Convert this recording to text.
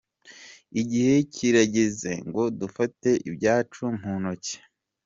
Igihe kirageze ngo dufate ibyacu mu ntoki.